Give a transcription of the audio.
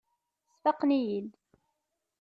Sfaqen-iyi-id.